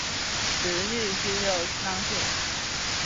直隶乙酉乡试。